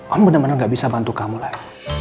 om benar benar gak bisa bantu kamu lagi